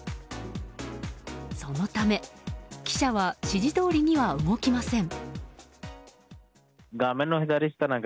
そのため、記者は指示どおりには動きません。